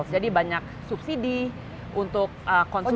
jadi banyak subsidi untuk konsumen